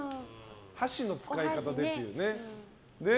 箸の使い方でっていうね。